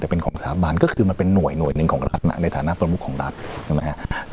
แต่เป็นของสถาบันก็คือมันเป็นหน่วยหนึ่งของรัฐในฐานะประมุขของรัฐใช่ไหมครับ